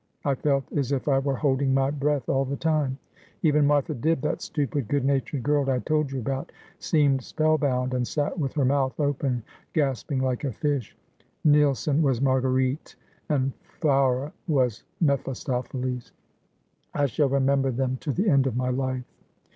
I felt as if I were holding my breath all the time. Even Martha Dibb — that stupid, good natured girl I told you about — seemed spell bound, and sat with her mouth open, gasping like a fish. Nilsson was Marguerite, and Faure was Mephistopheles. I shall remember them to the end of my life.'